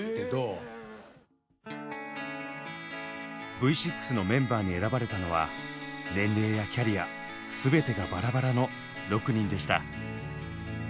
Ｖ６のメンバーに選ばれたのは年齢やキャリア全てがバラバラの６人でした。